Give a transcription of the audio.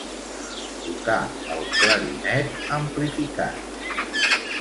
Tocar el clarinet amplificat.